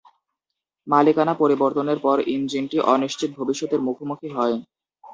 মালিকানা পরিবর্তনের পর ইঞ্জিনটি অনিশ্চিত ভবিষ্যতের মুখোমুখি হয়।